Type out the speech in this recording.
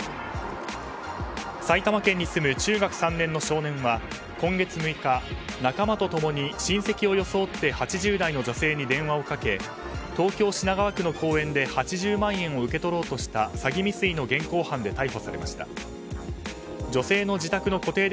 埼玉県に住む中学３年の少年は今月６日、仲間と共に親戚を装って８０代の女性に電話をかけ東京・品川区の公園で８０万円を受け取ろうとした詐欺未遂の現行犯で